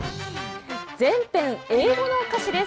全編英語の歌詞です。